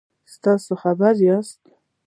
تاسو خبر یاست؟